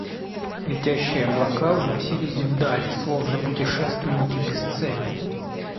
Летящие облака уносились вдаль, словно путешественники без цели.